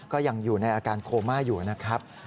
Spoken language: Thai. ก็ยังอยู่ในอาการโคม่าอยู่นะครับ